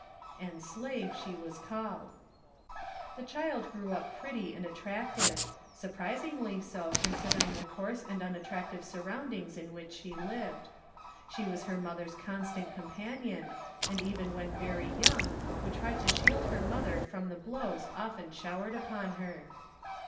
And Slave she was called. The child grew up pretty and attractive, surprisingly so considering the coarse and unattractive surroundings in which she lived. She was her mother's constant companion, and even when very young would try to shield her mother from the blows often showered upon her.